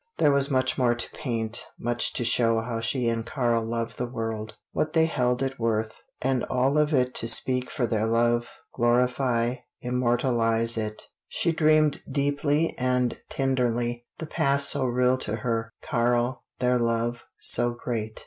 There was much more to paint, much to show how she and Karl loved the world, what they held it worth, and all of it to speak for their love, glorify, immortalise it. She dreamed deeply and tenderly the past so real to her, Karl, their love, so great.